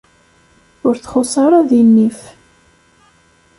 Ur txuṣ ara di nnif.